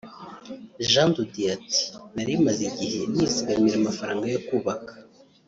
Jean de Dieu ati“Nari maze igihe nizigamira amafaranga yo kubaka